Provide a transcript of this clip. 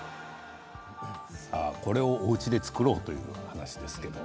これを、おうちで作ろうということですね。